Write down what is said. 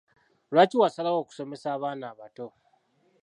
Lwaki wasalawo okusomesa abaana abato?